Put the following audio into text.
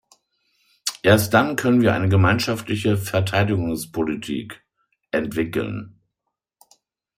Erst dann können wir eine gemeinschaftliche Verteidigungspolitik entwickeln.